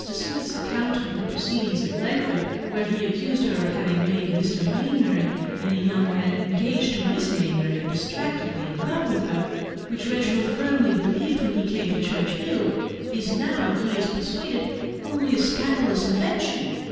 Smith's account of her proceedings at Langford, where he accused her of having made Mr. Mainwaring and a young man engaged to Miss Mainwaring distractedly in love with her, which Reginald firmly believed when he came here, is now, he is persuaded, only a scandalous invention.